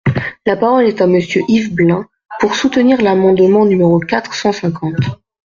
La parole est à Monsieur Yves Blein, pour soutenir l’amendement numéro quatre cent cinquante.